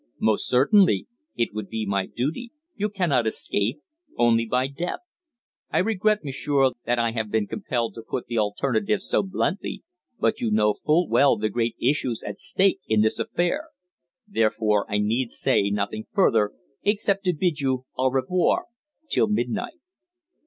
"Most certainly. It would be my duty. You cannot escape only by death. I regret, m'sieur, that I have been compelled to put the alternative so bluntly, but you know full well the great issues at stake in this affair. Therefore I need say nothing further, except to bid you au revoir till midnight."